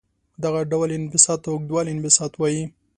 دغه ډول انبساط ته اوږدوالي انبساط وايي.